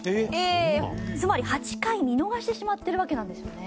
つまり８回見逃してしまってるわけなんですよね。